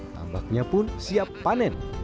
tambaknya pun siap panen